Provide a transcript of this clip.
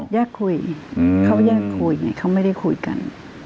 แยกคุยเขาแยกคุยไงเขาไม่ได้คุยกัน